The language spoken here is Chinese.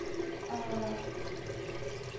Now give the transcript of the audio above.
尔后进军青海。